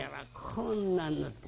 こんなんなって。